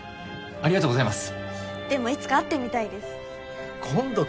ありがとうございます！